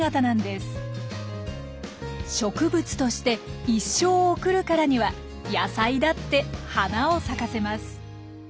植物として一生を送るからには野菜だって花を咲かせます。